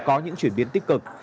có những chuyển biến tích cực